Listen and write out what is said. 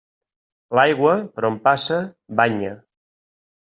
L'aigua, per on passa, banya.